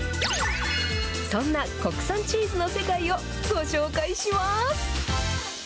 そんな国産チーズの世界をご紹介します。